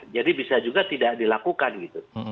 jadi bisa juga tidak dilakukan gitu